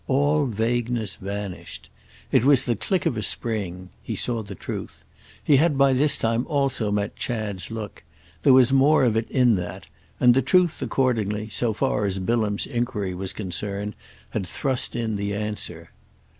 —all vagueness vanished. It was the click of a spring—he saw the truth. He had by this time also met Chad's look; there was more of it in that; and the truth, accordingly, so far as Bilham's enquiry was concerned, had thrust in the answer.